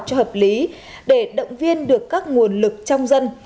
cho hợp lý để động viên được các nguồn lực trong dân